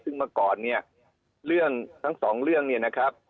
ซึ่งเมื่อก่อนเนี่ยเรื่องทั้งสองเรื่องเนี่ยนะครับ